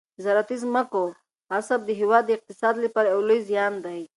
د زراعتي ځمکو غصب د هېواد د اقتصاد لپاره یو لوی زیان دی.